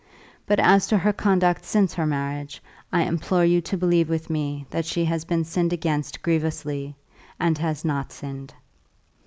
But as to her conduct since her marriage, I implore you to believe with me that she has been sinned against grievously, and has not sinned.